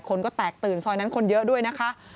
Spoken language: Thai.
คนก็แตกตื่นซอยนั้นคนเยอะด้วยนะคะ